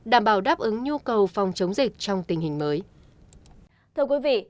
đảm bảo đáp ứng nhu cầu phòng chống dịch trong tình hình mới